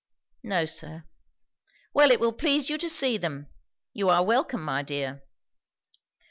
"No, sir." "Well, it will please you to see them. You are welcome, my dear."